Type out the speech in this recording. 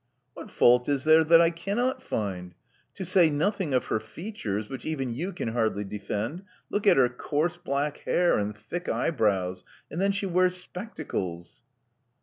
What fault is there that I cannot find? To say nothing of her features, which even you can hardly defend, look at her coarse black hair and thick eye brows. And then she wears spectacles.